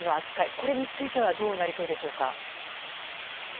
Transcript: これについてはどうなりそうですか？